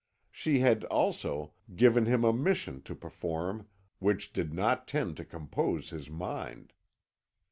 She had, also, given him a mission to perform which did not tend to compose his mind.